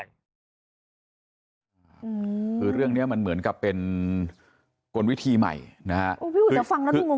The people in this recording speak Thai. คือเรื่องเนี่ยมันเหมือนกับเป็นกลวิธีใหม่นะฮะ